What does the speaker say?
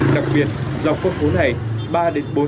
đặc biệt dọc phố này ba bốn ngày